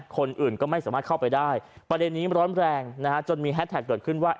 คนอื่นก็ไม่สามารถเข้าไปได้ประเด็นนี้ร้อนแรงนะฮะจนมีแฮสแท็กเกิดขึ้นว่า